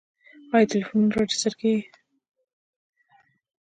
آیا ټلیفونونه راجستر کیږي؟